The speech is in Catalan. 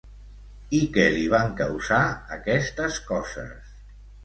I què li van causar aquestes coses?